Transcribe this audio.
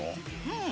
うん！